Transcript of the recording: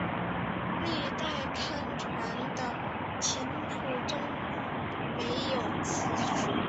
历代刊传的琴谱中还没有此曲。